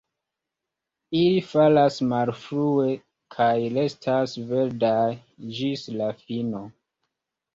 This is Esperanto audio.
Ili falas malfrue kaj restas verdaj ĝis la fino.